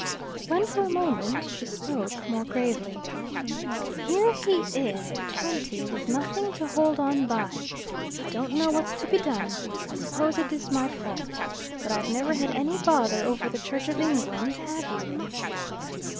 When for a moment she spoke more gravely. "Here he is at twenty, with nothing to hold on by. I don't know what's to be done. I suppose it's my fault. But I've never had any bother over the Church of England; have you?"